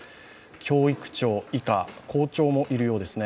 教育長以下、校長もいるようですね